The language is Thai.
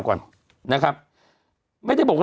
กรมป้องกันแล้วก็บรรเทาสาธารณภัยนะคะ